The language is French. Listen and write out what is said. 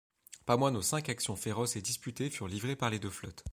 Pas moins de cinq actions féroces et disputées furent livrées par les deux flottes.